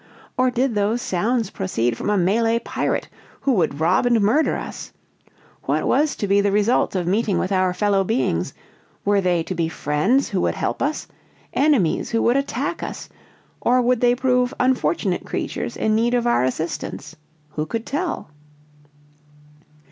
Or did those sounds proceed from a Malay pirate, who would rob and murder us! What was to be the result of meeting with our fellow beings; were they to be friends who would help us, enemies who would attack us, or would they prove unfortunate creatures in need of our assistance? Who could tell?